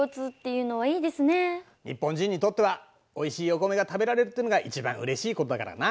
日本人にとってはおいしいおコメが食べられるっていうのが一番うれしいことだからな。